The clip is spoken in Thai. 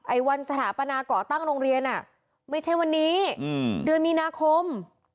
วันสถาปนาก่อตั้งโรงเรียนไม่ใช่วันนี้เดือนมีนาคม